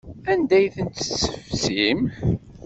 Anda ay ten-tessefsim?